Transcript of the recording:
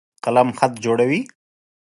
قلم خط جوړوي.